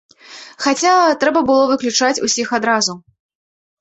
Хаця, трэба было выключаць усіх адразу.